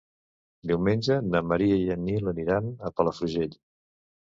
Diumenge na Maria i en Nil aniran a Palafrugell.